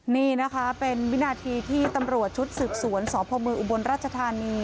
นี่นะคะเป็นวินาทีที่ตำรวจชุดสืบสวนสพมอุบลราชธานี